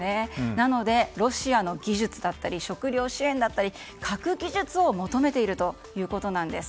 なので、ロシアの技術だったり食糧支援だったり、核技術を求めているということです。